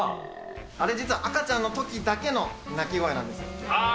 あれ実は、赤ちゃんのときだけの鳴き声なんですよ。